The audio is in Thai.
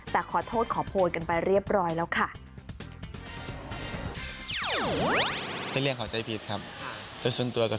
แต่ขอโทษขอโพยกันไปเรียบร้อยแล้วค่ะ